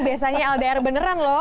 biasanya aldair beneran loh